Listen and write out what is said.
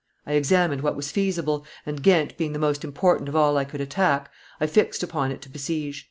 I examined what was feasible, and Ghent being the most important of all I could attack, I fixed upon it to besiege."